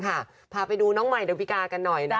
พาไปดูน้องใหม่ละวิกากันหน่อย